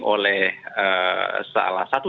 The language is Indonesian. oleh salah satu